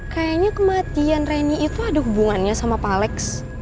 kayanya kematian reni itu ada hubungannya sama pallex